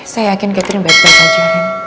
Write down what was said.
saya yakin catherine baik baik saja